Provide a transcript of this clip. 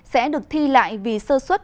sẽ được thi lại vì sơ xuất